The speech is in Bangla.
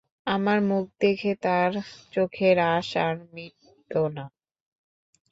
আমার মুখ দেখে তার চোখের আশ আর মিটত না।